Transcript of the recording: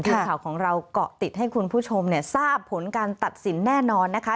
ทีมข่าวของเราเกาะติดให้คุณผู้ชมเนี่ยทราบผลการตัดสินแน่นอนนะคะ